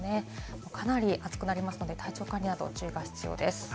かなり暑くなりますので体調管理など注意が必要です。